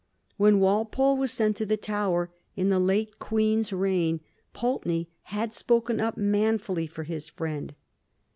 When Wal pole was sent to the Tower in the late Queen's reign, Pulteney had spoken up manfully for his friend.